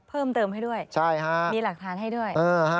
เพิ่มเติมให้ด้วยมีหลักฐานให้ด้วย